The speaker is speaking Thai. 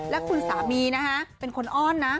และคุณสามีนะฮะเป็นคนอ้อนนะ